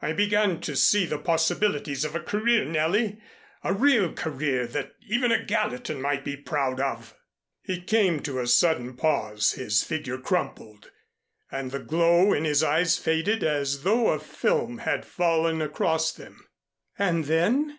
I began to see the possibilities of a career, Nellie, a real career that even a Gallatin might be proud of." He came to a sudden pause, his figure crumpled, and the glow in his eyes faded as though a film had fallen across them. "And then?"